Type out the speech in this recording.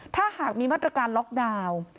ถ้าหากมีมาตรการล็อกดาวน์